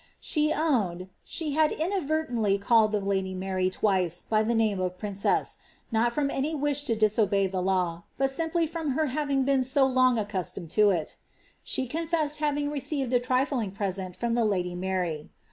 She owned " she liad inadvertently culled the lady Mnry twice by the name of princess, not from any wish tn disobey ihe law, but sjoiply from her having been so long acciistoined to iL" She conreaved having received a trilling piesent Troni the lady Mary.